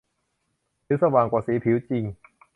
หรือสว่างกว่าสีผิวจริง